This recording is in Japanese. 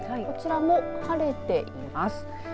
こちらも晴れています。